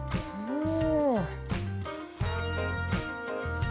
うん。